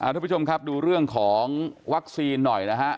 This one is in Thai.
ทุกผู้ชมครับดูเรื่องของวัคซีนหน่อยนะฮะ